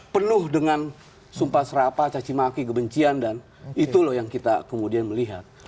penuh dengan sumpah serapa cacimaki kebencian dan itu loh yang kita kemudian melihat